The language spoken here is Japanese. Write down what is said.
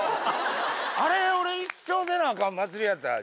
あれ俺一生出なアカン祭りやったら。